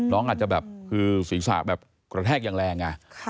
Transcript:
น้องอาจจะแบบคือศีรษะแบบกระแทกอย่างแรง